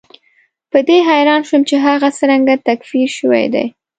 په دې حیران شوم چې هغه څرنګه تکفیر شوی دی.